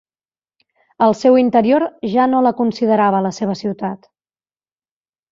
Al seu interior, ja no la considerava la seva ciutat.